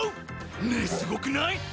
ねえすごくない？